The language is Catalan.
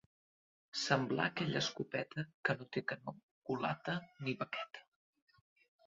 Semblar aquella escopeta, que no té canó, culata ni baqueta.